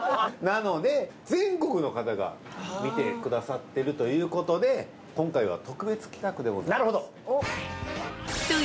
なので全国の方が見てくださってるということで今回は特別企画でございます。